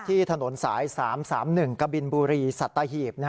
ที่ถนนสาย๓๓๑กบินบุรีสัตหีบ